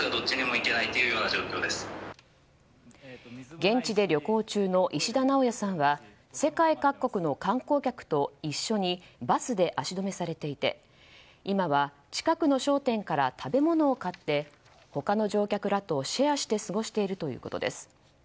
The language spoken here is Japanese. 現地で旅行中の石田直也さんは世界各国の観光客と一緒にバスで足止めされていて今は、近くの商店から食べ物を買って他の乗客らとシェアして過ごしているということです。